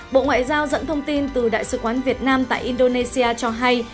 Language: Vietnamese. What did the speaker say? bộ ngoại giao dẫn thông tin từ đại sứ quán việt nam tại indonesia cho hay